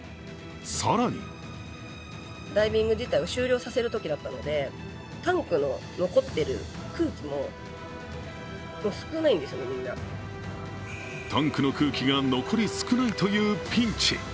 更にタンクの空気が残り少ないというピンチ。